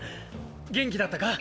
元気だったか？